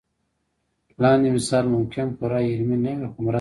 لاندې مثال ممکن پوره علمي نه وي خو مرسته کوي.